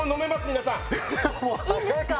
皆さんいいんですか？